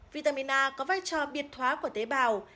vitamin a có vai trò biệt thóa của tế bào